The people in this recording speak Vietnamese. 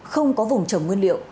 không có vùng trầm nguyên liệu